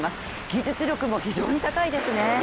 技術力も非常に高いですね。